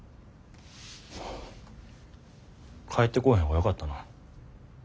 帰ってこうへん方がよかったな。